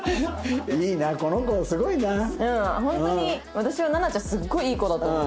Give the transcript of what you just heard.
私はなな茶すっごいいい子だと思う。